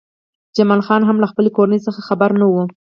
جمال خان هم له خپلې کورنۍ څخه خبر نه و